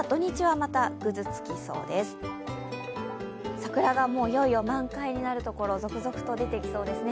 桜がいよいよ満開になる所続々と出てきそうですね。